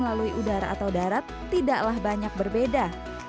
melalui udara atau darat tidaklah banyak berbeda